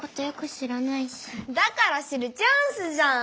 だから知るチャンスじゃん！